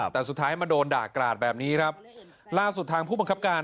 แต่สุดท้ายมาโดนด่ากราดแบบนี้ครับล่าสุดทางผู้บังคับการ